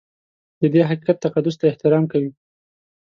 د دې حقیقت تقدس ته احترام کوي.